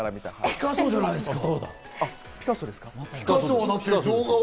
ピカソじゃないですか。